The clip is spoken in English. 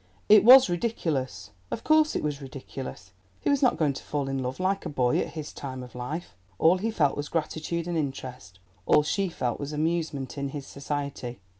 It was ridiculous—of course it was ridiculous; he was not going to fall in love like a boy at his time of life; all he felt was gratitude and interest—all she felt was amusement in his society.